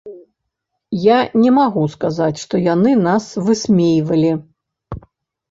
Я не магу сказаць, што яны нас высмейвалі.